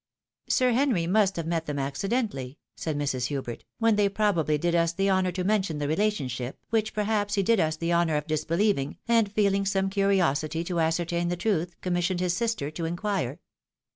" Sir Henry must have met them accidentally^" said Mrs. Hubert, "when they probably did us the honour to mention the relationship, which, perhaps, he did us the honour of disbehev ing, and feehng some curiosity to ascertain the truth, commis sioned his sister to inquire."